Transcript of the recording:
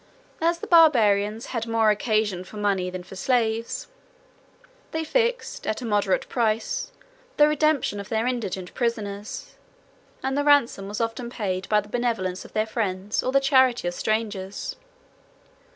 As the Barbarians had more occasion for money than for slaves, they fixed at a moderate price the redemption of their indigent prisoners; and the ransom was often paid by the benevolence of their friends, or the charity of strangers.